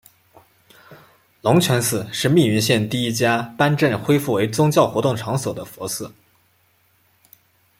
龙泉寺是密云县第一家颁证恢复为宗教活动场所的佛寺。